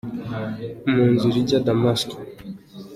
Mu nzira ijya i Damasiko ?